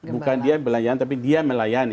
bukan dia belanjaan tapi dia melayani